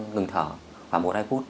ngừng thở khoảng một hai phút